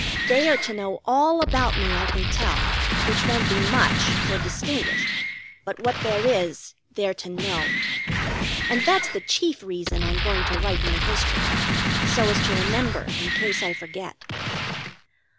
They are to know all about me I can tell, which won't be much or distinguished, but what there is they're to know. And that's the chief reason I'm going to write my history, so as to remember in case I forget.